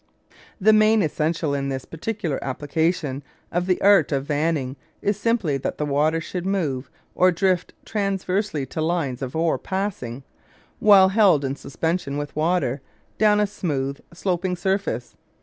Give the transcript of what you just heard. The main essential in this particular application of the art of vanning is simply that the water should move or drift transversely to lines of ore passing, while held in suspension with water, down a smooth sloping surface.